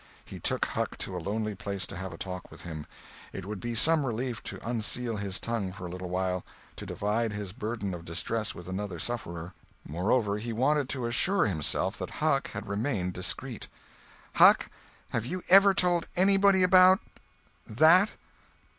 He took Huck to a lonely place to have a talk with him. It would be some relief to unseal his tongue for a little while; to divide his burden of distress with another sufferer. Moreover, he wanted to assure himself that Huck had remained discreet. "Huck, have you ever told anybody about—that?"